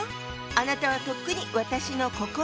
あなたはとっくに私の心の中。